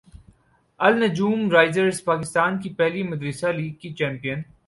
النجوم Risers Pakistan کی پہلی مدرسہ لیگ کی چیمپیئن